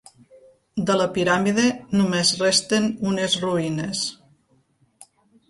De la piràmide, només resten unes ruïnes.